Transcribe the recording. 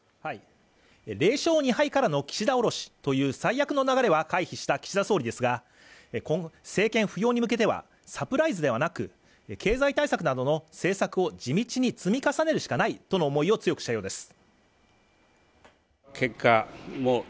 ０勝２敗からの岸田降ろしという最悪の流れは回避した岸田総理ですが今後政権浮揚に向けてはサプライズではなく経済対策などの政策を地道に積み重ねるしかないとの思いを強くしたようです